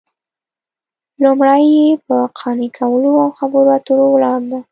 لومړۍ یې په قانع کولو او خبرو اترو ولاړه ده